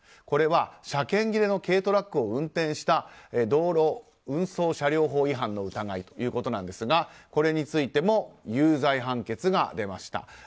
これは車検切れの軽トラックを運転した道路運送車両法違反の疑いということなんですがこれについても有罪判決が出ました。